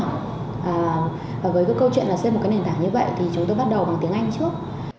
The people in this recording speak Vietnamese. với cái câu chuyện là xây một cái nền tảng như vậy thì chúng tôi bắt đầu bằng tiếng anh trước